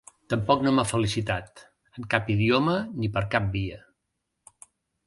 Tampoc no m’ha felicitat, en cap idioma ni per cap via.